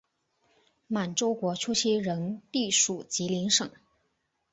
满洲国初期仍隶属吉林省。